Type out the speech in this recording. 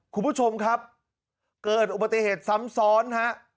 คุณผู้ชมครับเกิดอุบัติเหตุซ้ำซ้อนฮะ